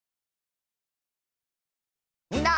みんな。